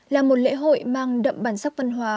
là một lễ hội mang đậm bản sắc văn hóa